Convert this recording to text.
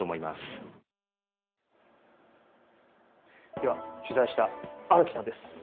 では取材した荒木さんです。